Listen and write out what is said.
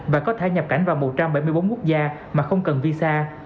và có thể nhập cảnh vào một trăm bảy mươi bốn quốc gia mà không cần visa